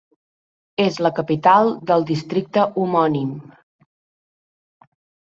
És la capital del districte homònim.